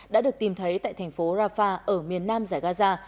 đã được tìm thấy tại thành phố rafah ở miền nam giải gaza